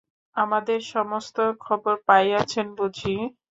আমাদের সমস্ত খবর পাইয়াছেন বুঝি?